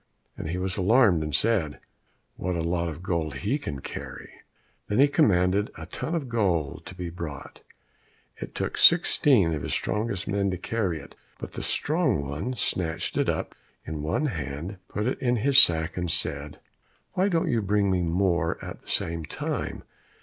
and he was alarmed and said, "What a lot of gold he can carry away!" Then he commanded a ton of gold to be brought; it took sixteen of his strongest men to carry it, but the strong one snatched it up in one hand, put it in his sack, and said, "Why don't you bring more at the same time?